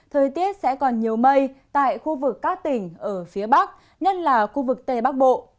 thời tiết sẽ còn nhiều mây tại khu vực các tỉnh ở phía bắc nhất là khu vực tây bắc bộ